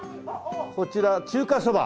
こちら中華そば？